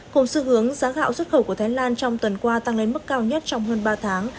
cùng xu hướng giá gạo xuất khẩu của thái lan trong tuần qua tăng lên mức cao nhất trong hơn ba tháng